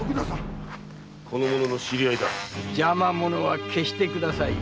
邪魔者は消してくださいよ。